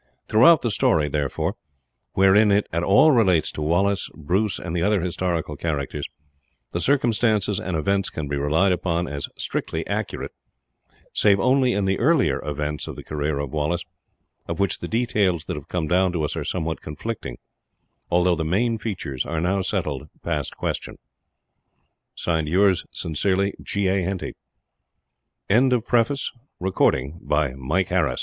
Throughout the story, therefore, wherein it at all relates to Wallace, Bruce, and the other historical characters, the circumstances and events can be relied upon as strictly accurate, save only in the earlier events of the career of Wallace, of which the details that have come down to us are somewhat conflicting, although the main features are now settled past question. Yours sincerely, G.A. HENTY. Chapter I Glen Cairn The village of Glen Cairn was